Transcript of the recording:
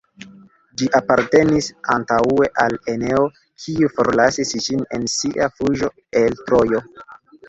Ĝi apartenis antaŭe al Eneo, kiu forlasis ĝin en sia fuĝo el Trojo.